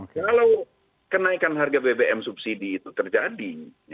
kalau kenaikan harga bbm subsidi itu terjadi